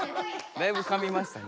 だいぶかみましたね。